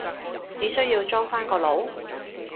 只需要裝返個腦？